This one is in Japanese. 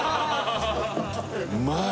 うまい！